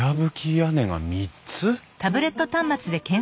屋根が３つ？